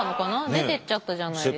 出てっちゃったじゃないですか。